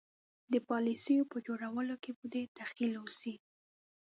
د پالیسیو په جوړولو کې به دخیل اوسي.